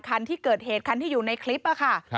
คันที่เกิดเหตุคันที่อยู่ในคลิปค่ะ